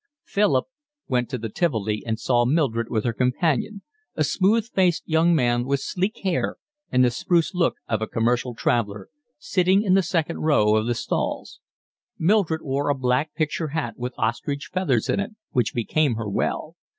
Philip went to the Tivoli and saw Mildred with her companion, a smooth faced young man with sleek hair and the spruce look of a commercial traveller, sitting in the second row of the stalls. Mildred wore a black picture hat with ostrich feathers in it, which became her well.